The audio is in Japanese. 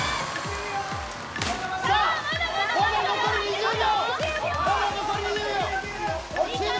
まだ残り２０秒。